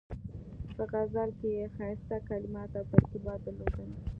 په غزل کې یې ښایسته کلمات او ترکیبات درلودل.